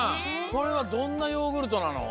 これはどんなヨーグルトなの？